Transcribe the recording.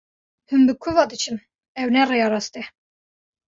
Hûn bi ku ve diçin, ew ne rêya rast e.